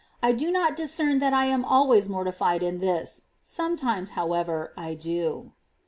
I do not discern that I am always mortified in this ; sometimes, however, I do.